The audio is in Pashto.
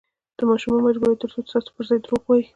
ماشوم مه مجبوروئ، ترڅو ستاسو پر ځای درواغ ووایي.